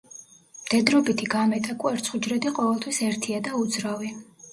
მდედრობითი გამეტა კვერცხუჯრედი ყოველთვის ერთია და უძრავი.